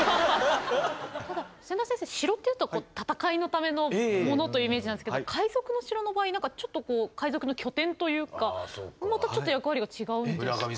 千田先生城っていうと戦いのためのものというイメージなんですけど海賊の城の場合なんかちょっとこう海賊の拠点というかまたちょっと役割が違うんですか？